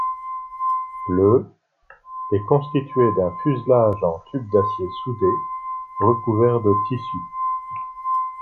Le est constitué d'un fuselage en tubes d'acier soudés, recouverts de tissu.